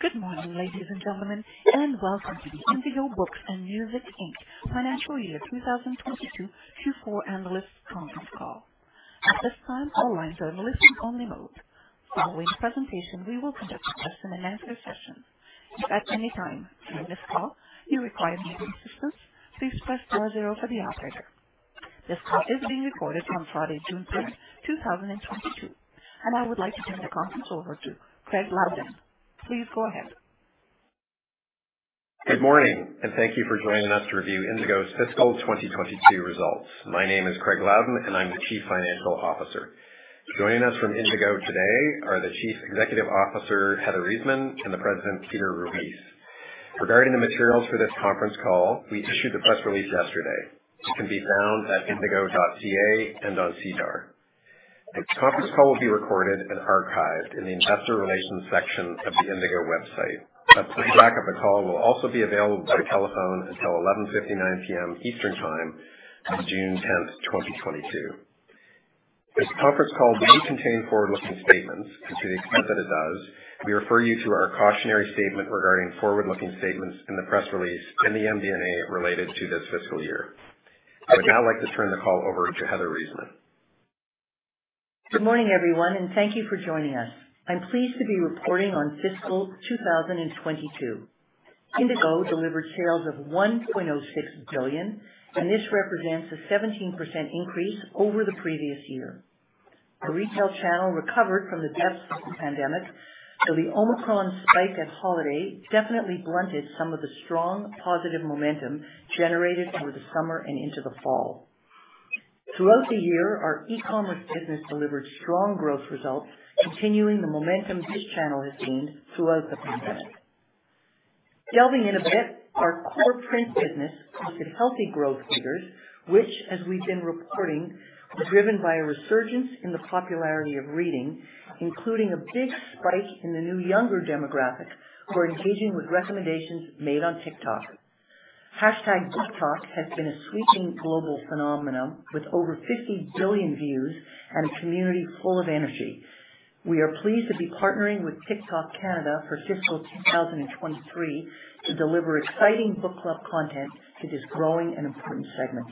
Good morning, ladies and gentlemen, and welcome to the Indigo Books & Music Inc. Financial Year 2022 Q4 analyst conference call. At this time, all lines are in listen-only mode. Following the presentation, we will conduct a question and answer session. If at any time during this call you require any assistance, please press star zero for the operator. This call is being recorded on Friday, June 3rd, 2022, and I would like to turn the conference over to Craig Loudon. Please go ahead. Good morning and thank you for joining us to review Indigo's fiscal 2022 results. My name is Craig Loudon and I'm the Chief Financial Officer. Joining us from Indigo today are the Chief Executive Officer, Heather Reisman, and the President, Peter Ruis. Regarding the materials for this conference call, we issued the press release yesterday. It can be found at indigo.ca and on SEDAR. This conference call will be recorded and archived in the investor relations section of the Indigo website. A playback of the call will also be available by telephone until 11:59 P.M. Eastern time on June 10th, 2022. This conference call may contain forward-looking statements, and to the extent that it does, we refer you to our cautionary statement regarding forward-looking statements in the press release and the MD&A related to this fiscal year. I would now like to turn the call over to Heather Reisman. Good morning, everyone, and thank you for joining us. I'm pleased to be reporting on fiscal 2022. Indigo delivered sales of 1.06 billion, and this represents a 17% increase over the previous year. The retail channel recovered from the depths of the pandemic, though the Omicron spike at holiday definitely blunted some of the strong positive momentum generated over the summer and into the fall. Throughout the year, our e-commerce business delivered strong growth results, continuing the momentum this channel has gained throughout the pandemic. Delving in a bit, our core print business posted healthy growth figures, which, as we've been reporting, was driven by a resurgence in the popularity of reading, including a big spike in the new younger demographic who are engaging with recommendations made on TikTok. #BookTok has been a sweeping global phenomenon with over 50 billion views and a community full of energy. We are pleased to be partnering with TikTok Canada for fiscal 2023 to deliver exciting book club content to this growing and important segment.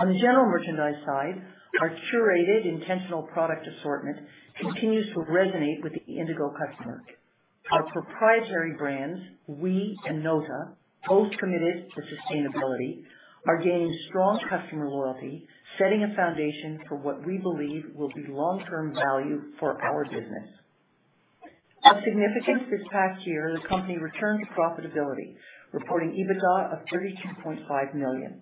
On the general merchandise side, our curated intentional product assortment continues to resonate with the Indigo customer. Our proprietary brands, OUI and NÓTA, both committed to sustainability, are gaining strong customer loyalty, setting a foundation for what we believe will be long-term value for our business. Of significance, this past year, the company returned to profitability, reporting EBITDA of 32.5 million.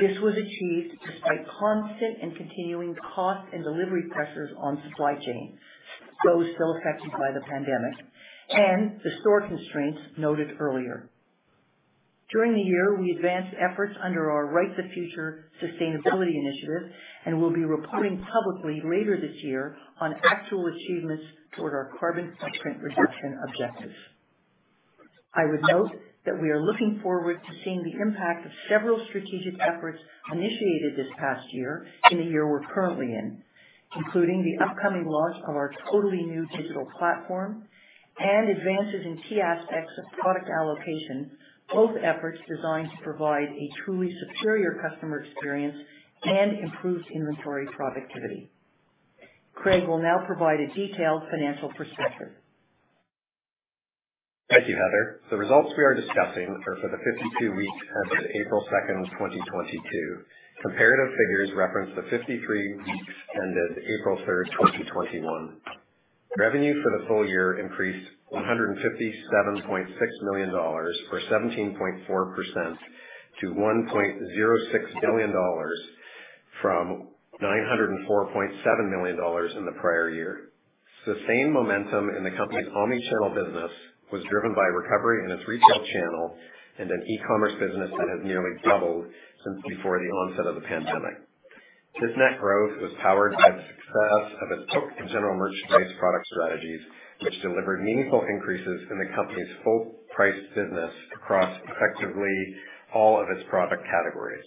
This was achieved despite constant and continuing cost and delivery pressures on supply chain, those still affected by the pandemic and the store constraints noted earlier. During the year, we advanced efforts under our Write The Future sustainability initiative and will be reporting publicly later this year on actual achievements toward our carbon footprint reduction objectives. I would note that we are looking forward to seeing the impact of several strategic efforts initiated this past year in the year we're currently in, including the upcoming launch of our totally new digital platform and advances in key aspects of product allocation, both efforts designed to provide a truly superior customer experience and improved inventory productivity. Craig will now provide a detailed financial perspective. Thank you, Heather. The results we are discussing are for the 52 weeks ended April 2nd, 2022. Comparative figures reference the 53 weeks ended April 3rd, 2021. Revenue for the full year increased 157.6 million dollars or 17.4% to 1.06 billion dollars from 904.7 million dollars in the prior year. Sustained momentum in the company's omnichannel business was driven by recovery in its retail channel and an e-commerce business that has nearly doubled since before the onset of the pandemic. This net growth was powered by the success of its book and general merchandise product strategies, which delivered meaningful increases in the company's full price business across effectively all of its product categories.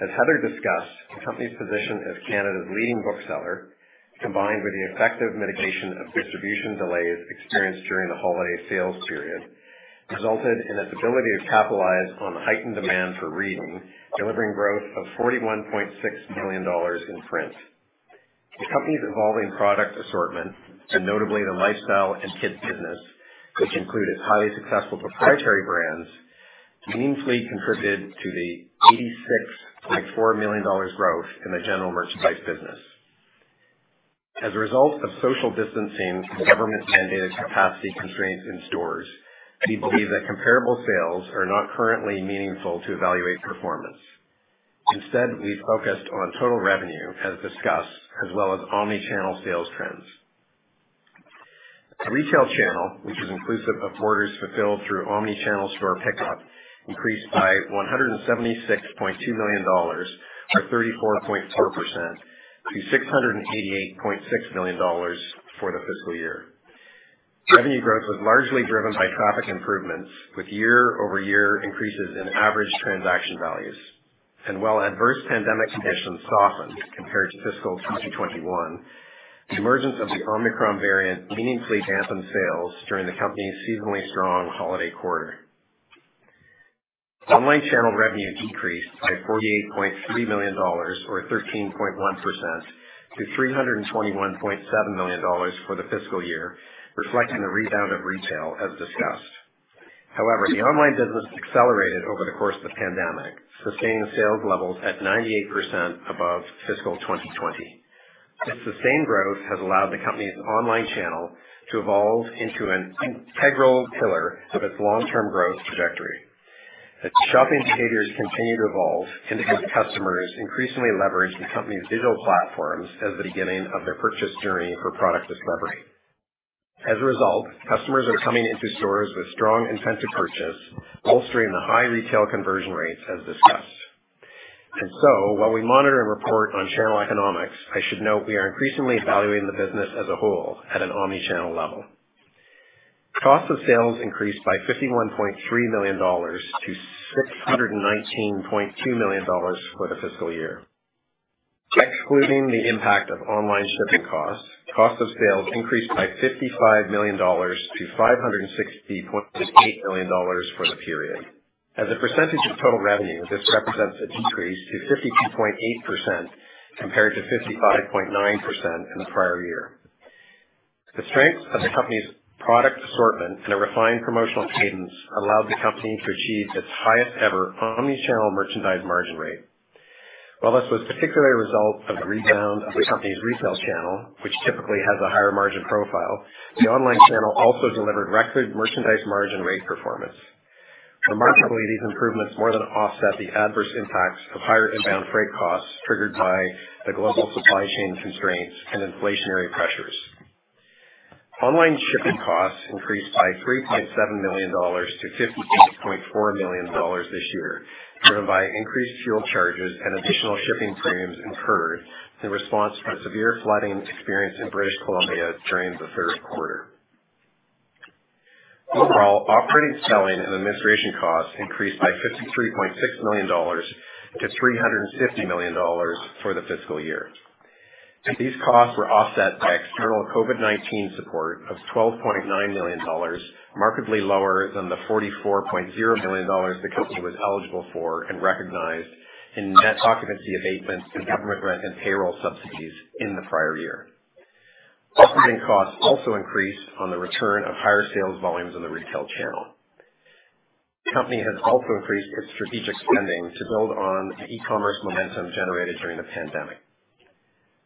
As Heather discussed, the company's position as Canada's leading bookseller, combined with the effective mitigation of distribution delays experienced during the holiday sales period, resulted in its ability to capitalize on the heightened demand for reading, delivering growth of 41.6 million dollars in print. The company's evolving product assortment, and notably the lifestyle and kids business, which include its highly successful proprietary brands, meaningfully contributed to the 86.4 million dollars growth in the general merchandise business. As a result of social distancing and government-mandated capacity constraints in stores, we believe that comparable sales are not currently meaningful to evaluate performance. Instead, we've focused on total revenue as discussed, as well as omnichannel sales trends. The retail channel, which is inclusive of orders fulfilled through omnichannel store pickup, increased by 176.2 million dollars or 34.4% to 688.6 million dollars for the fiscal year. Revenue growth was largely driven by traffic improvements with year-over-year increases in average transaction values. While adverse pandemic conditions softened compared to fiscal 2021, the emergence of the Omicron variant meaningfully dampened sales during the company's seasonally strong holiday quarter. Online channel revenue decreased by 48.3 million dollars or 13.1% to 321.7 million dollars for the fiscal year, reflecting the rebound of retail as discussed. However, the online business accelerated over the course of the pandemic, sustaining sales levels at 98% above fiscal 2020. This sustained growth has allowed the company's online channel to evolve into an integral pillar of its long-term growth trajectory. As shopping behaviors continue to evolve and as customers increasingly leverage the company's digital platforms as the beginning of their purchase journey for product discovery. As a result, customers are coming into stores with strong intent to purchase, bolstering the high retail conversion rates as discussed. While we monitor and report on channel economics, I should note we are increasingly evaluating the business as a whole at an omni-channel level. Cost of sales increased by 51.3 million dollars to 619.2 million dollars for the fiscal year. Excluding the impact of online shipping costs, cost of sales increased by 55 million dollars to 560.8 million dollars for the period. As a percentage of total revenue, this represents a decrease to 52.8% compared to 55.9% in the prior year. The strength of the company's product assortment and a refined promotional cadence allowed the company to achieve its highest ever omni-channel merchandise margin rate. While this was particularly a result of the rebound of the company's retail channel, which typically has a higher margin profile, the online channel also delivered record merchandise margin rate performance. Remarkably, these improvements more than offset the adverse impacts of higher inbound freight costs triggered by the global supply chain constraints and inflationary pressures. Online shipping costs increased by 3.7 million-58.4 million dollars this year, driven by increased fuel charges and additional shipping premiums incurred in response to severe flooding experienced in British Columbia during the third quarter. Overall, operating, selling, and administration costs increased by 53.6 million-350 million dollars for the fiscal year. These costs were offset by external COVID-19 support of 12.9 million dollars, markedly lower than the 44.0 million dollars the company was eligible for and recognized in net occupancy abatements and government rent and payroll subsidies in the prior year. Operating costs also increased on the return of higher sales volumes in the retail channel. The company has also increased its strategic spending to build on the e-commerce momentum generated during the pandemic.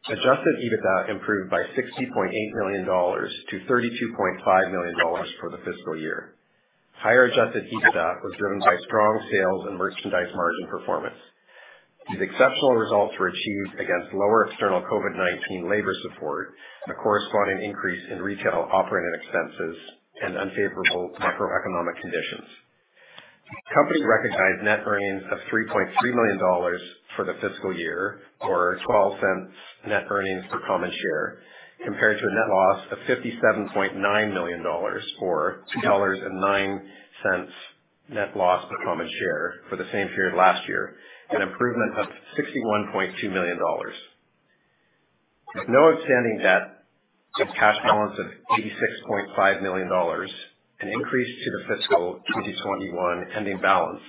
Adjusted EBITDA improved by 60.8 million-32.5 million dollars for the fiscal year. Higher adjusted EBITDA was driven by strong sales and merchandise margin performance. These exceptional results were achieved against lower external COVID-19 labor support and a corresponding increase in retail operating expenses and unfavorable macroeconomic conditions. The company recognized net earnings of 3.3 million dollars for the fiscal year or 0.12 net earnings per common share, compared to a net loss of 57.9 million dollars or 2.09 dollars net loss per common share for the same period last year, an improvement of 61.2 million dollars. With no outstanding debt, its cash balance of 86.5 million dollars, an increase to the fiscal 2021 ending balance,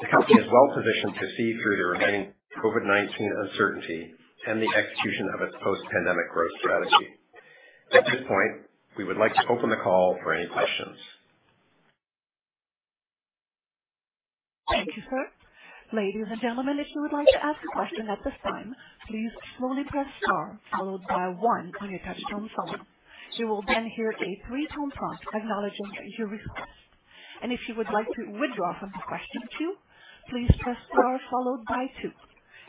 the company is well positioned to see through the remaining COVID-19 uncertainty and the execution of its post-pandemic growth strategy. At this point, we would like to open the call for any questions. Thank you, sir. Ladies and gentlemen, if you would like to ask a question at this time, please slowly press star followed by one on your touch-tone phone. You will then hear a three-tone prompt acknowledging your request. If you would like to withdraw from question queue, please press star followed by two.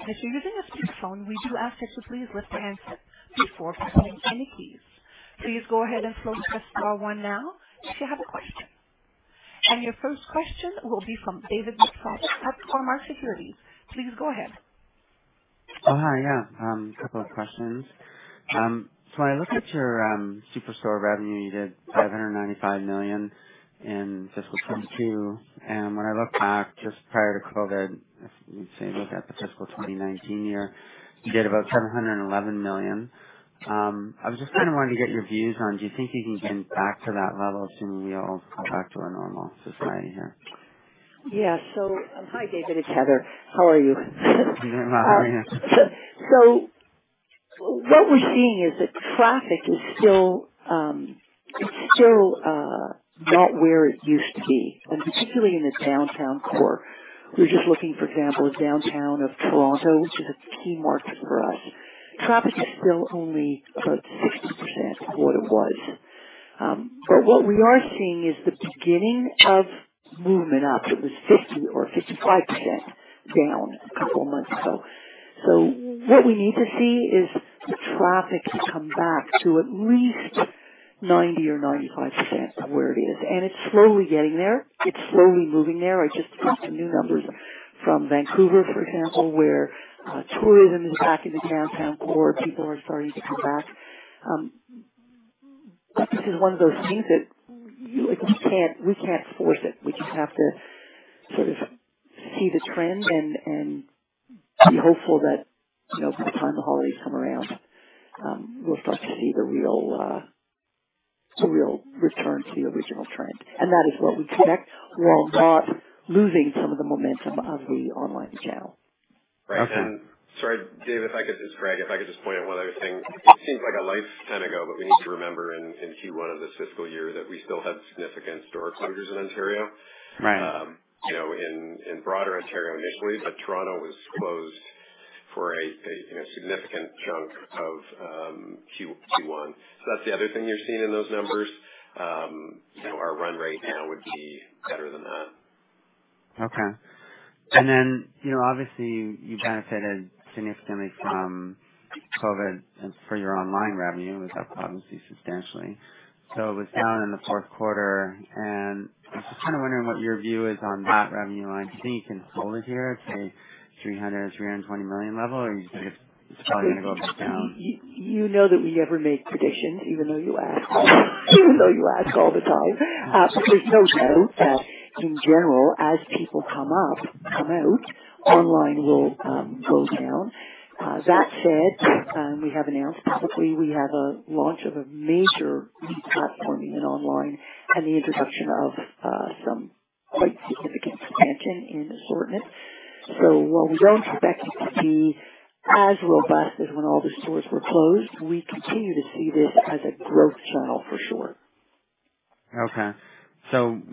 If you're using a speakerphone, we do ask that you please lift the handset before pressing any keys. Please go ahead and slowly press star one now if you have a question. Your first question will be from David McFadgen at BMO Capital Markets. Please go ahead. Oh, hi. Yeah, a couple of questions. So I look at your superstore revenue, you did 595 million in fiscal 2022. When I look back just prior to COVID, if we say look at the fiscal 2019 year, you did about 711 million. I was just kind of wanting to get your views on, do you think you can get back to that level soon? Will we all go back to our normal society here? Yeah. Hi, David, it's Heather. How are you? Doing well. How are you? What we're seeing is that traffic is still not where it used to be, and particularly in the downtown core. We're just looking, for example, at downtown of Toronto, which is a key market for us. Traffic is still only about 60% of what it was. But what we are seeing is the beginning of movement up. It was 50 or 65% down a couple of months ago. What we need to see is the traffic come back to at least 90 or 95% of where it is. It's slowly getting there. It's slowly moving there. I just looked at new numbers. From Vancouver, for example, where tourism is back in the downtown core, people are starting to come back. This is one of those things that we can't force it. We just have to sort of see the trend and be hopeful that, you know, by the time the holidays come around, we'll start to see the real return to the original trend. That is what we expect, while not losing some of the momentum of the online channel. Okay. Sorry, Dave, Craig, if I could just point out one other thing. It seems like a lifetime ago, but we need to remember in Q1 of this fiscal year that we still had significant store closures in Ontario. Right. You know, in broader Ontario initially, but Toronto was closed for a significant chunk of Q1. That's the other thing you're seeing in those numbers. You know, our run rate now would be better than that. Okay. You know, obviously you benefited significantly from COVID as per your online revenue, was up obviously substantially. It was down in the fourth quarter, and I'm just kind of wondering what your view is on that revenue line. Do you think you can hold it here at, say, 300 million, 320 million level, or do you think it's probably gonna go back down? You know that we never make prediction, even though you ask all the time. No. In general, as people come out, online will go down. That said, we have announced publicly a launch of a major re-platforming in online and the introduction of some quite significant expansion in assortment. While we don't expect it to be as robust as when all the stores were closed, we continue to see this as a growth channel for sure. Okay.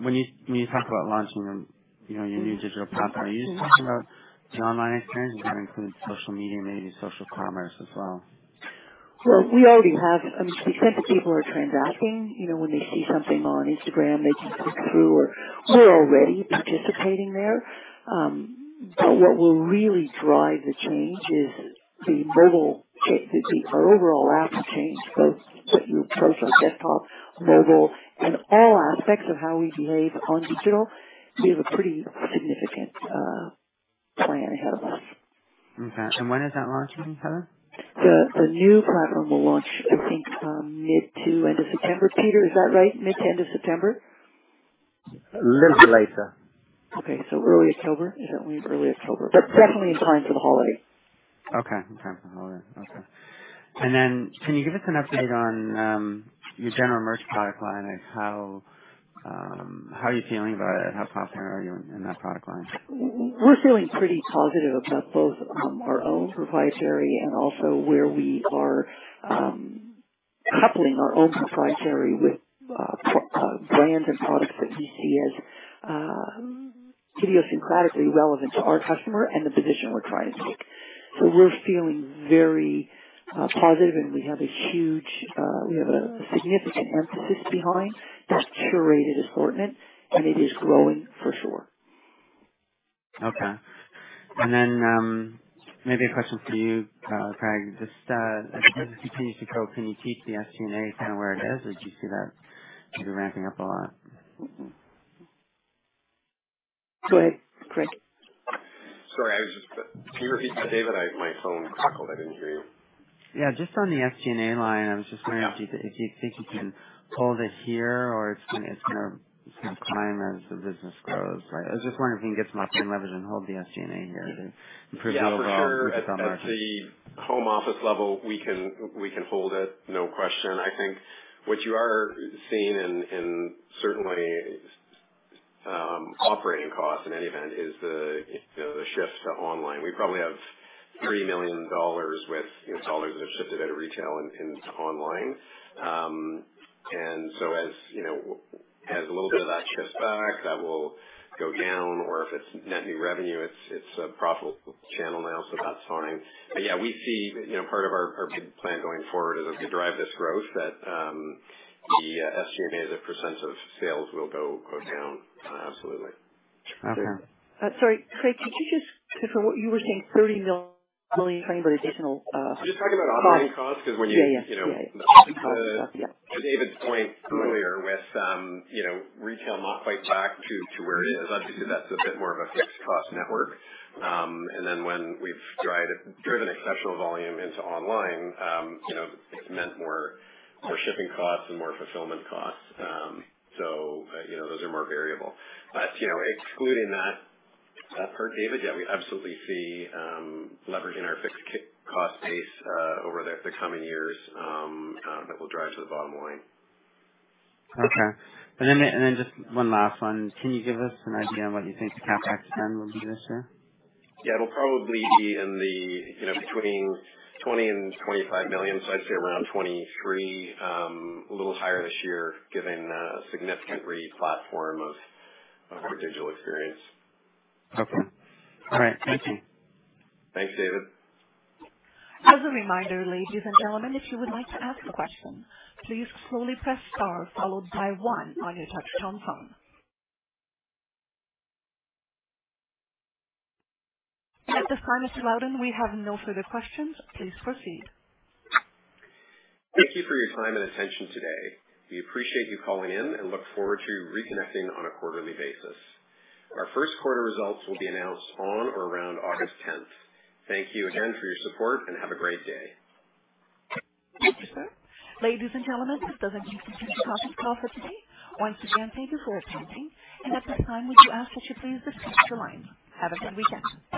When you talk about launching, you know, your new digital platform, are you just talking about the online experience or does that include social media, maybe social commerce as well? Well, we already have. I mean, to the extent that people are transacting, you know, when they see something on Instagram, they can click through or we're already participating there. What will really drive the change is the overall apps change, both what you approach on desktop, mobile, and all aspects of how we behave on digital. We have a pretty significant plan ahead of us. Okay. When is that launching, Heather? The new platform will launch, I think, mid to end of September. Peter, is that right? Mid to end of September? A little bit later. Okay. Early October. Is that when? Early October. But definitely in time for the holiday. Okay. In time for the holiday. Okay. Can you give us an update on your general merch product line? Like, how are you feeling about it? How confident are you in that product line? We're feeling pretty positive about both, our own proprietary and also where we are coupling our own proprietary with brands and products that we see as idiosyncratic relevant to our customer and the position we're trying to take. We're feeling very positive and we have a significant emphasis behind this curated assortment and it is growing for sure. Okay. Maybe a question for you, Craig. Just as business continues to grow, can you keep the SG&A kind of where it is or do you see that, you know, ramping up a lot? Go ahead, Craig. Sorry. Can you repeat that, David? My phone crackled. I didn't hear you. Yeah, just on the SG&A line, I was just wondering. Yeah. If you think you can hold it here or it's gonna climb as the business grows. I was just wondering if you can get some margin leverage and hold the SG&A here to improve the overall Yeah, for sure. retail margin. At the home office level, we can hold it. No question. I think what you are seeing in certainly operating costs in any event is you know the shift to online. OUI probably have 3 million dollars with you know dollars that are shifted out of retail and in online. As you know as a little bit of that shifts back, that will go down or if it's net new revenue, it's a profitable channel now, so that's fine. Yeah, we see you know part of our big plan going forward is to drive this growth that the SG&A as a percent of sales will go down. Absolutely. Okay. Sorry, Craig, could you just confirm what you were saying, 30 million kind of additional cost? Just talking about operating costs because when you Yeah, yeah. You know. Cost, yeah. To David's point earlier with, you know, retail not quite back to where it is. Obviously, that's a bit more of a fixed cost network. When we've driven exceptional volume into online, you know, it's meant more shipping costs and more fulfillment costs. You know, those are more variable. Excluding that part, David, yeah, we absolutely see leverage in our fixed cost base over the coming years that will drive to the bottom line. Okay. Just one last one. Can you give us an idea on what you think the CapEx spend will be this year? Yeah, it'll probably be in the, you know, between 20 million and 25 million. I'd say around 23 million. A little higher this year, given a significant re-platform of our digital experience. Okay. All right. Thank you. Thanks, David. As a reminder, ladies and gentlemen, if you would like to ask a question, please slowly press Star followed by one on your touchtone phone. At this time, Mr. Loudon, we have no further questions. Please proceed. Thank you for your time and attention today. We appreciate you calling in and look forward to reconnecting on a quarterly basis. Our first quarter results will be announced on or around August tenth. Thank you again for your support and have a great day. Thank you, sir. Ladies and gentlemen, this does conclude the Conference Call for today. Once again, thank you for attending. At this time, we do ask that you please disconnect your lines. Have a good weekend.